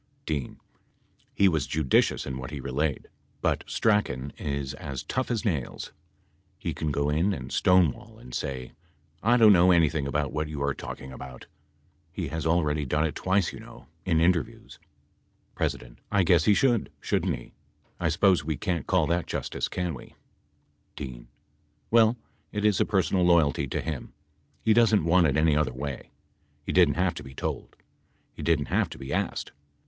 D. He was judicious in what he relayed, but Strachan is as tough as nails. He can go in and stonewall and. say,?'/ don't know anything about what you are talking about.'" He has already done it twice you know , in interviews. 86 P. I guess he should, shouldn't he? I suppose we can't call that justice , can we? IX Well, it is a personal loyalty to him. He doesn't want it any other way. He didn't have to be told. He didn't have to be asked.